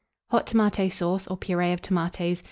HOT TOMATO SAUCE, or PUREE OF TOMATOES.